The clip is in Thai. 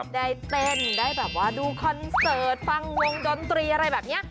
ได้เต้นได้แบบว่าดูคอนเสิร์ตฟังวงดนตรีอะไรแบบนี้